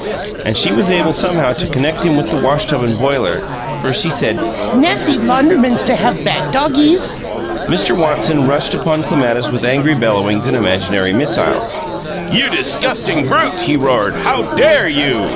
And she was able somehow to connect him with the wash tub and boiler, for she added, "Nassy laundrymans to have bad doggies!" Mr. Watson rushed upon Clematis with angry bellowings and imaginary missiles. "You disgusting brute!" he roared. "How DARE you?"